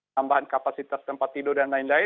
tambahan kapasitas tempat tidur dan lain lain